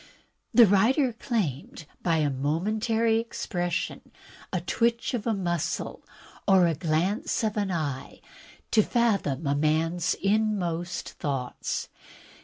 The writer claimed by a momentary expression, a twitch of a muscle, or a glance of an eye, to fathom a man's inmost thoughts.